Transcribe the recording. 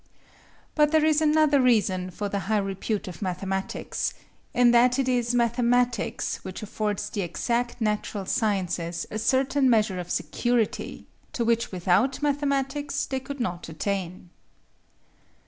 But there is another reason for the high repute of mathematics, in that it is mathematics which affords the exact natural sciences a certain measure of security, to which without mathematics they could not attain.